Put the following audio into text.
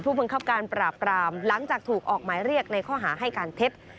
บังคับการปราบปรามหลังจากถูกออกหมายเรียกในข้อหาให้การเท็จ